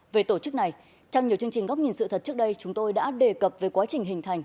về tổ chức này trong nhiều chương trình góc nhìn sự thật trước đây chúng tôi đã đề cập về quá trình hình thành